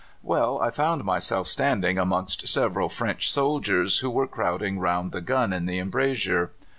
Well, I found myself standing amongst several French soldiers, who were crowding round the gun in the embrasure.